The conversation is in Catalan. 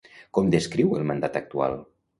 Com descriu el mandat actual?